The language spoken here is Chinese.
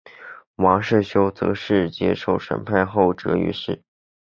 王世修则是接受审判后斩于市。